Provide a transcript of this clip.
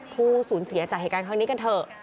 ผู้สูญเสียจากเหตุการณ์ครั้งนี้กันเถอะ